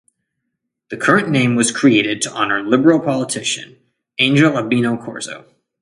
The current name was created to honor Liberal politician Angel Albino Corzo.